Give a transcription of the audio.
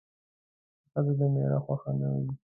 که ښځه د میړه خوښه نه وي